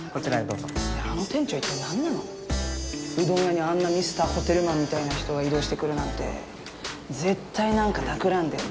うどん屋にあんなミスターホテルマンみたいな人が異動してくるなんて絶対なんかたくらんでる。